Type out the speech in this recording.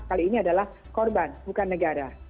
kali ini adalah korban bukan negara